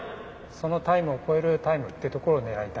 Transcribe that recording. そのタイムを超えるタイムってところを狙いたいと思います。